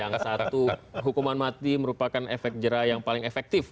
yang satu hukuman mati merupakan efek jerah yang paling efektif